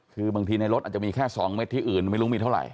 คือบางทีในรถอาจจะมีแค่๒เม็ดที่อื่นไม่รู้มีเท่าไห